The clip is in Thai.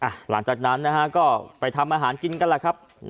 หลังจากนั้นนะฮะก็ไปทำอาหารกินกันแหละครับ